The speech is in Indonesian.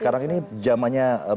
sekarang ini jamannya banyak ya